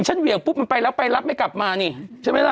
เหวี่ยงปุ๊บมันไปแล้วไปรับไม่กลับมานี่ใช่ไหมล่ะ